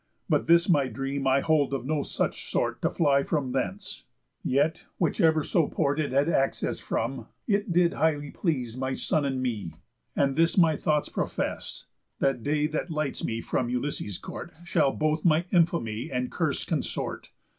But this my dream I hold of no such sort To fly from thence; yet, whichsoever port It had access from, it did highly please My son and me. And this my thoughts profess: That day that lights me from Ulysses' court Shall both my infamy and curse consort.